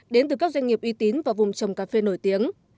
đến từ các doanh nghiệp uy tín và vùng trồng cà phê nổi tiếng